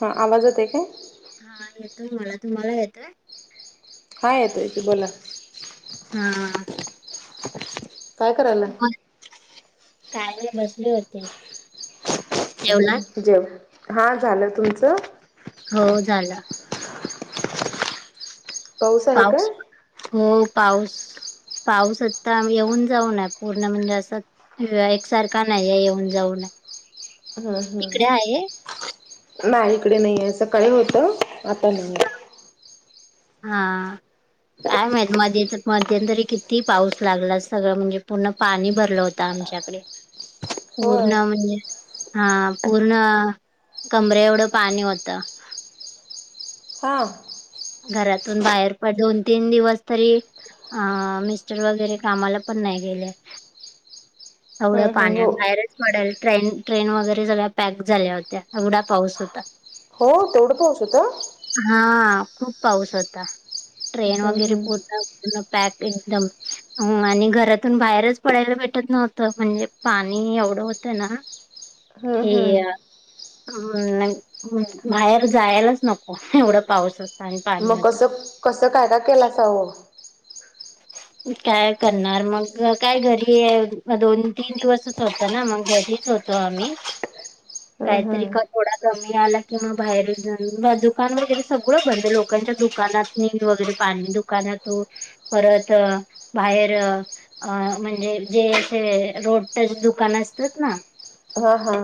हा आवाज येत आहे काय हा येतोय मला तुम्हाला येतोय? हा येतोय तू बोला हा. काय करायला आहे. काय नाय बसले होते जेवलात जेव हा झालं तुमचं हो झाला आहे का? पाऊस हो पाऊस पाऊस आता येऊन जाऊनय पूर्ण म्हणजे असं. एकसारखा नाही आहे. येऊन जाऊन हम् हम् तिकडे आहे नाही इकडे नाही आहे, सकाळी होतं आता नाही. हा. काय माहित मध्ये मध्यंतरी किती पाऊस लागला सगळं म्हणजे पूर्ण पाणी भरलं होतं आमच्या होय. पूर्ण, म्हणजे हा पूर्ण कमरे एवढं पाणी होतं. हां. घरातून बाहेर पड दोन, तीन दिवस तरी अ मिस्टर वगैरे कामाला पण नाही गेले. [unintelligible] एवढं हम्म पाणी हो. बाहेरच पडेल ट्रेन ट्रेन वगैरे सगळ्या पॅक झाल्या होत्या एवढा पाऊस होता. हो तेवढं पाऊस होत. हा खूप पाऊस होता ट्रेन हम्म वगैरे हम्म. पुरत. त्यां पॅक एकदम. हो आणि घरातून बाहेरच पडायला भेटत नव्हतं म्हणजे पाणी एवढं होतं ना. [unintelligible] [inaudible] ते हम्म म् बाहेर जायलाच नको एवढं पाऊसच. मग कसं कसं काय काय केलासा वो. काय करणार मग काय घरी आहे दोन-तीन दिवस. होत ना मग घरीच होतो आम्ही हम्म काहीतरी कर. हम्म थोडा कमी आला किंवा बाहेर जाऊ दुकान वगैरे सगळं बंद आहे लोकांच्या दुकानात. वगैरे पाणी दुकानातो परत बाहेर. अ म्हणजे जे असे रोडच दुकान असतात ना. हो हो.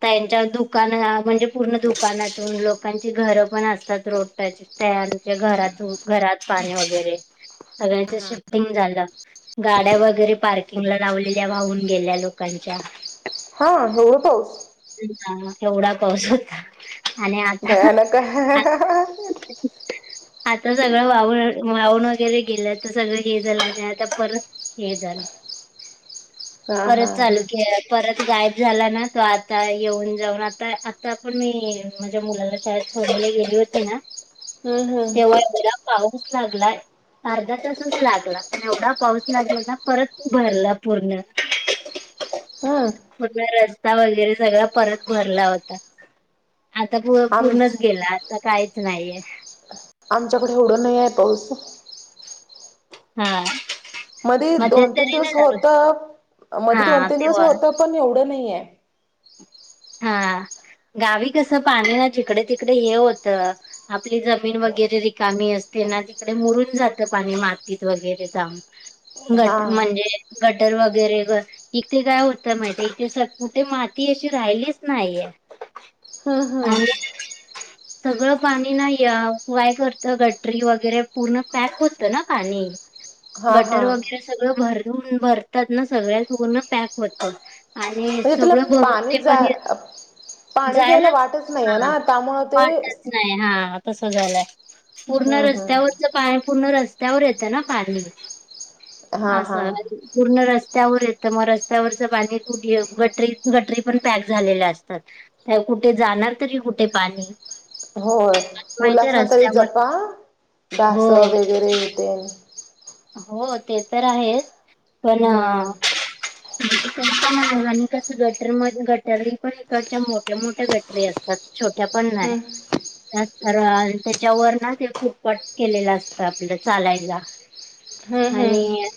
त्यांच्या दुकान म्हणजे पूर्ण दुकानातून लोकांची घरं पण असतात रोड त्याची. च्या घरात घरात पाणी वगैरे सगळ्यांच शिफ्टिंग झालं. गाड्या वगैरे पार्किंगला लावलेल्या वाहून गेल्या लोकांच्या. हा एवढा पाऊस. हा एवढा पाऊस होता आणि भयानक. हा आता. [unintelligible] आता सगळं वाव वाहून वगैरे गेलं तर सगळं हे झालं आणि आता परत. हे झालं. [unintelligible] हा. परत चालू परत गायब झाला ना तो आ. आता येऊन जाऊन आता आता पण मी माझ्या मुलाला शाळेत सोडली गेली होती ना. हम्म तेव्हा हम्म. बरा पाऊस लागलाय. अर्धा तासच लागला एवढा पाऊस लागला ना परत भरला पूर्ण. [unintelligible] [inaudible] कुठला रस्ता वगैरे. सगळ परत भरला होता आता आम पूर्णच गेला. आता काहीच नाहीये. आमच्याकडे एवढं नाही आहे पाऊस. हा. मध्ये दोन-तीन मध्यंतरी नाही दिवस लागला. होत, मध्ये हा दोन-तीन दिवस तेव्हा होत पण एवढं नाहीये. हा गावी कसं पाणी ना चिकडे तिकडे हे होतं. आपली जमीन वगैरे रिकामी असते ना तिकडे मुरून जातं पाणी मातीत वगैरे जा. हा घट म्हणजे. गटर वगैरे इथे काय होत माहितीे इथे स कुठे माती अशी राहिली. नाही हम्म हम्म [unintelligible] सगळं पाणी नाही या काय करत गटरी वगैरे पूर्ण पॅक होतं ना पाणी. हा हा गटर म्हणजे वगैरे सगळं भरून भरतात ना सगळ्या पूर्ण पॅक होतात. आणि तुला सगळं भरून पाणी ते जा पण येत. पाणी जायला जायलाच वाटच नाही आहे हा ना त्यामुळं ते वाट. हा तस झालाय पूर्ण हम्म रस्त्यावर. हम्म पाणी पूर्ण रस्त्यावर येतं ना पाणी हा हा असं. पूर्ण रस्त्यावर येतं मग रस्त्यावरच पाणी कुठ गटरी गटरी पण प झालेल्या असतात त्या कुठे जाणार तरी कुठे पाणी. हो माहितीये मुलास ना तरी रस्त्यावर जपा हो ढासं वगैरे येते. हो ते तर आहेच पण म हम्म आणि कसं गटर गटरी पण इकडच्या मोठ्या मोठ्या गटरी असतात. त्यात छोट्या पण नाही. हम्म असत त्याच्यावर ना ते फुटपट केलेलं असतं आपलं चालायला. हम्म आणि हम्म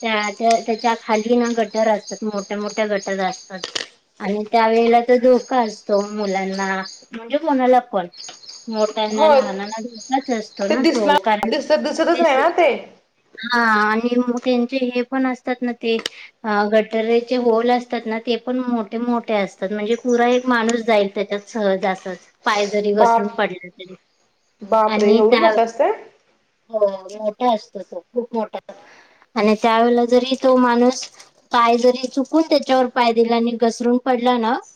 त्या त्या त्याच्या खाली ना गटर असतात, मोठ्या मोठ्या गटर असतात आणि त्यावेेळेला तर धोका असतो मुलांना, म्हणजे कोणाला पण मोठ्यांना होय लहानांना धोकाच असतो ते ना तो दिसणार कारण दिसत दिसतच नाही दिस ना ते हा आणि त्यांचे हे पण असतात ना ते अ गटरेचे होल असतात ना ते पण मोठे मोठे असतात, म्हणजे पुरा एक माणूस जाईल त्याच्यात सहज असच पाय जरी घसरून बाप पडलं तरी बाप रे आणि एवढं त्या मोठं असतंय हो मोठा असतो तो खूप मोठा आणि त्यावेेळेला जरी तो माणूस पाय जरी चुकून त्याच्यावर पाय दिला आणि घसरून पडला ना -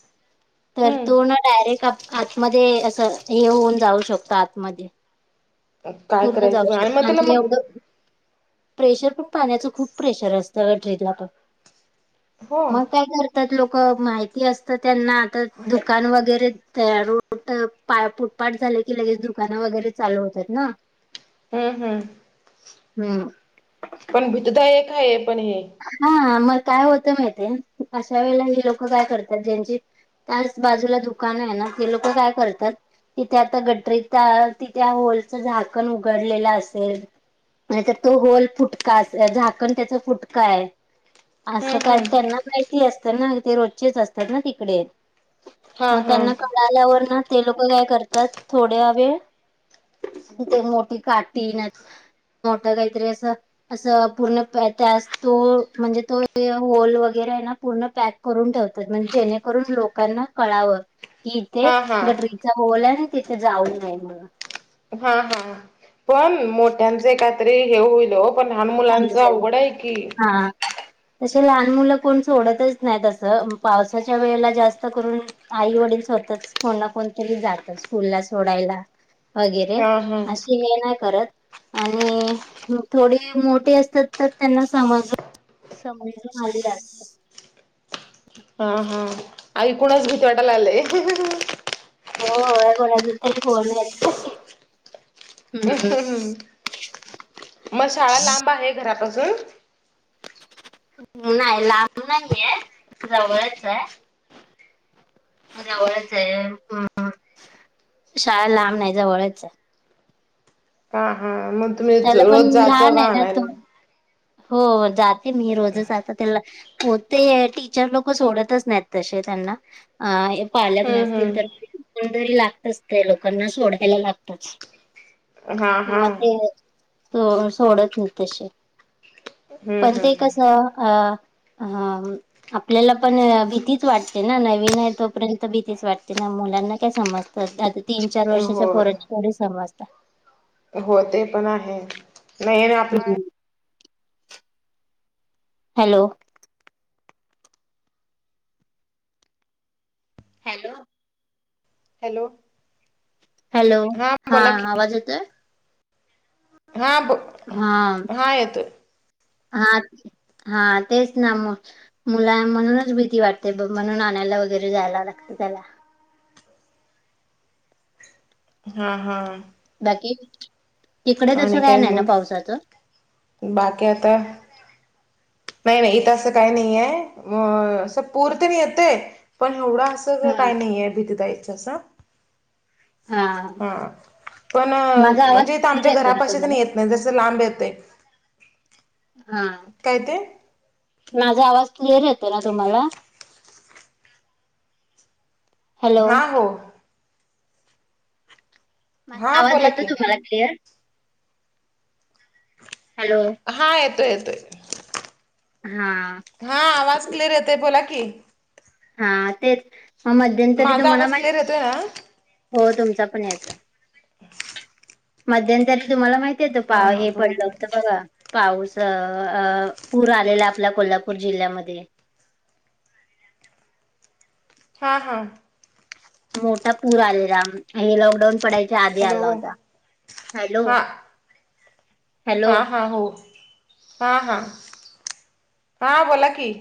तर हम्म तो ना डायरेक्ट आतमध्ये असं हे होऊन जाऊ शकतो आतमध्ये काय पूर्ण जाऊ करायचं आणि मग शकतो त्याला मग एवढं प्रेशर पण पाण्याच खूप प्रेशर असतं गट्रीजला पण हो मग काय हम्म करतात लोक माहिती असत त्यांना आता दुकान वगैरे त्या रोड पा फुटपाट झालं की लगेच दुकानं वगैरे चालू होतात ना. हा हा हम् पण भीतीदायक आहे पण हे हा मग काय होतं माहितीये अशा वेळेला ही लोक काय करतात ज्यांची त्याच बाजूला दुकान आहे ना ते लोक काय करतात तिथे आता गटरीत त्या तिथे होलचं झाकण उघडलेलं असेल नाहीतर तो होल फुटका झाकण त्याचा फुटका काय असं हम्म काय हम्म त्यांना माहिती असतं ना ते रोजचेच असतात ना तिकडे. हा मग हा त्यांना कळाल्यावर ना ते लोक काय करतात थोड्या वेळ ते मोठी काटी ना मोठ काहीतरी असं असं पूर्ण त्या तो म्हणजे तो होल वगैरे आहे ना पूर्ण पॅक करून ठेवतात. म्हणजे जेणेकरून लोकांना कळाव कि इथे हा हा गटरीचा होल आहे आणि तिथे जाऊ नाही म्हणून. हा हा पण मोठ्यांच काहीतरी हे होईल ओ पण लहान मुलांच अवघड आहे की त लहान मुलं कोण सोडतच नाही तसं पावसाच्या वेळेला जास्त करून आई वडील स्वतःच कोणा कोणतरी जातं स्कूलला सोडायला वगैरे हा हा अशी हे नाही करत आणि थोडी मोठे असतात तर त्यांना समज समजून आलेले असतात. हा हा एकूणच भीती वाटायला लागलीय हह. हो कोणाचा तरी फोन येतो हाह हहह ह् म शाळा लांब आहे घरापासून? नाही लांब नाहीय जवळच ये. जवळच आहे, शाळा लांब नाही जवळच आहे. हा हा मग तुम्ही त्याला पण रोज, जात लहान जावा आहे ना तो आणायला. हो जाते मी रोजच आात त्याला हो ते टीचर लोक सोडतच नाहीत तसे त्यांना आ पालक हम्म नसतील तर हम्म कोणतरी लागतच त्या लोकांना सोडायला लागतच हा हा स सोडत नाही तसे हम्म पण ते हम्म कसं अ हा आपल्याला पण भीतीच वाटते ना नवीन आहे तोपर्यंत भीतीच वाटते ना मुलांना काय समजत तर आता तीन चार वर्षाच्या होय पोराला थोडी समजत. हो ते पण आहे. मेन आपला आहे हम्म हॅलो हॅलो. हॅलो. हॅलो हा बोला की आवाज येतोय? हां बो हा हा येतोय. हा हा तेच ना मग मुला म्हणूनच भीती वाटते बघ म्हणून आणायला वगैरे जायला लागतं त्याला हा हा. बाकी तिकडे तसं आणि काय नाही ना मग पावसाचं बाकी आता नाही नाही इथं असं काही नाहीये. असं पूर तर येतंय पण एवढा असं तेवढं हा काही नाहीये भीतीदायक तसं हा पण माझा आवाज म्हणजे इथं क्लिअर आमच्या येतो ना घरापाशी पण तुम्हाला ये जस जस लांब येतय हा. काय ते? माझा आवाज क्लिअर येतोय ना तुम्हाला? हॅलो. हा हो. माझा हा आवाज बोला येतो की तुम्हाला क्लिअर? हॅलो. हा येतोय येतोय. हा. हा आवाज क्लियर येतोय बोला की हा तेच मग मध्यंतरी माझा तुम्हाला आवाज माहित क्लिअर येतोय ना हो तुमचा पण येतो. मध्यंतरी तुम्हाला माहिती हा [unintelligible] हा हे बोला पडलं की होत बघा पाऊस अह अह पूर आलेला आपल्या कोल्हापूर जिल्ह्यामध्ये हां हां. मोठा पूर आलेला आणि लॉकडाऊन पडायच्या आधी हॅलो आला होता. Hello hello. हां हां हो हां हां. हां बोला की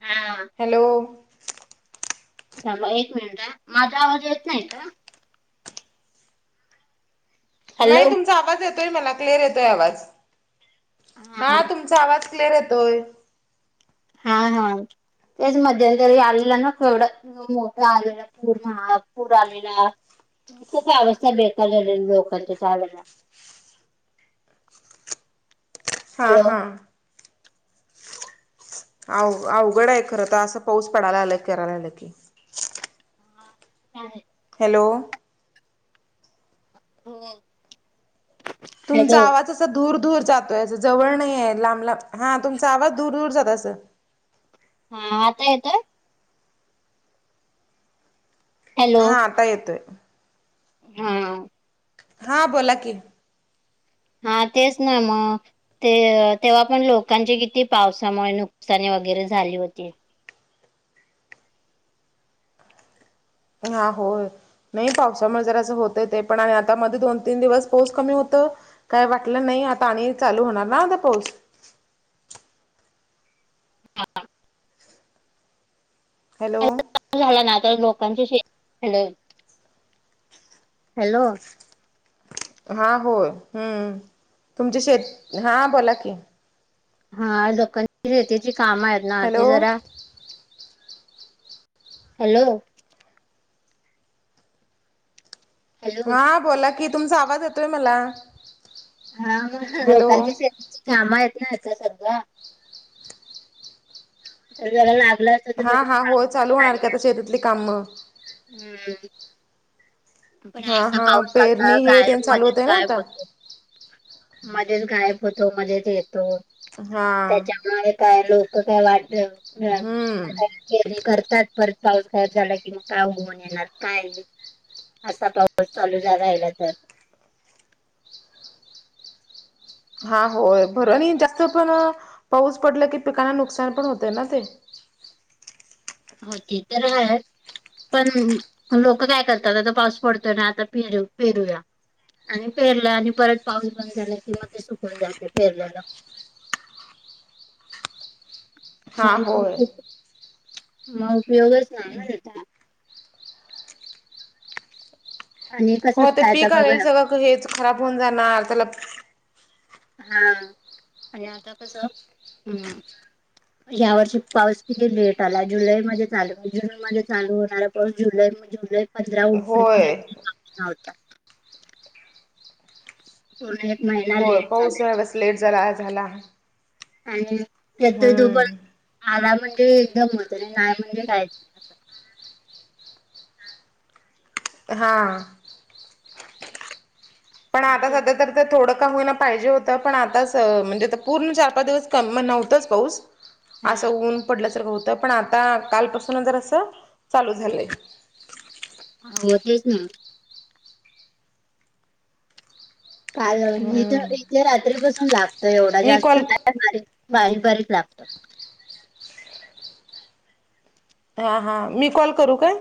हा. हॅलो. थांबा एक मिनिट हां. माझा आवाज येत नाही का? नाही हॅलो. तुमचा आवाज येतोय मला क्लिअर येतोय आवाज. हा तुम चा आवाज क्लिअर येतोय हा हा तेच मध्यंतरी आलेलं ना [unintelligible] मोठा आलेला पूर महापूर आलेला खूप अवस्था बेकार झालेली लोकांची त्यावेळेला हां हॅलो. हां. अ अवघड आहे खर तर असं पाऊस पडायला आला करायला आलं की ते तर आहे हॅलो. हो. तुमचा आवाजच दूर दूर जातोय अस जवळ नाही आहे लांब लांब हा तुमचा आवाज दूर दूर जात असं हा आता येतोय? हॅलो हा आता येतोय हा. हां बोला की हां तेच ना मगं. ते अ तेव्हा पण लोकांची किती पावसामुळे नुकसानी वगैरे झाली होती. हां होय. नाही पावसामुळे जरा असं होतय ते पण आता मध्ये दोन तीन दिवस पाऊस कमी होतो काय वाटलं नाही आता आणि चालू होणार ना आता पाऊस [unintelligible] हॅलो. झाला ना आता लोकांची शेती [unintelligible] हॅलो. हा होय हम्म तुमचे शेत हां बोला की हा लोकांची शेतीची काम आहेत ना ते हॅलो जरा हॅलो. हॅलो हा बोला कि तुमचा आवाज येतोय मला. हा मग हॅलो लोकांची शेतीची काम आहेत ना आता सगळं तर जरा लागल असत तर हा जराशी हा काम हो पण चालू होणार की झाली आता असती शेतातली कामं हम्म. पण हा आसा हा पावसा आसा पेरणी हे ते गायब चालू मध्ये होतय ना गायब आता होतोय. मध्येच गायब होतो मध्येच येतो हा त्याच्यामुळे काय लोक [unintelligible] हम्म. पेरणी करतात परत पाऊस गायब झाला की मग काय उगवुन येणार काय असा पाऊस चालू झाला राहिला तर हा होय बरं णि जास्त पण अ पाऊस पडला की पिकांना नुकसान पण होतय ना ते. हो ती तर हाय. पण लोक काय करतात आता पाऊस पडतोय ना आता पेरू पेरूया आणि पेरलं आणि परत पाऊस बंद झाला कि मग ते सुकून जाते पेरलल. हा मग होय [unintelligible] मग पेरूच नाही न त्याच्या आणि हो कसंच ते आता पीक बघ आलेल ना सगळं हेच खराब होऊन जाणार त्याला हा आणि आता कस हम्म. [inaudible] या वर्षी पाऊस किती लेट आला जुलैमध्ये चालू जूनमध्ये चालू होणारा पाऊस जुलै म जुलै पंधरा उलटून होय मिळत नाही [unintelligible] पूर्ण एक महि होय पाऊस या वेळेस लेट जाला झाला आणि त्यात तो पण हम्म आला म्हणजे एकदम होत नाही म्हणजे काहीच हा. पण आता असं. सध्या तर ते थोडं का होईना पाहिजे हो त पण आता स म्हणजे पूर्ण चार पाच दिवस क नव्हतंच पाऊस हा आसं ऊन पडल्या सा तर होता पण आता कालपासून जरासं चालू झालंय. हो तेच ना. काल इथ इथे रात्रीपासून लागतं एवढा मी जास्त कॉल नाही [unintelligible] बारीक बारीक लागतोय. हा हा मी कॉल करू का?